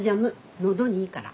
喉にいいから。